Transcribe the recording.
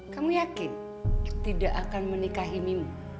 kamu yakin tidak akan menikahi mimo